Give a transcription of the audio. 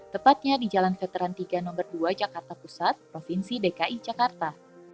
tepatnya di jalan veteran tiga nomor dua jakarta pusat provinsi dki jakarta